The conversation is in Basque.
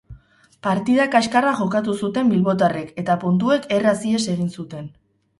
Partida kaskarra jokatu zuten bilbotarrek eta puntuek erraz ihes egin zuten.